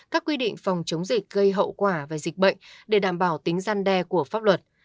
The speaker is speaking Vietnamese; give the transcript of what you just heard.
các quy định phòng chống dịch gây hậu quả về dịch bệnh để đảm bảo tính gian đe của pháp luật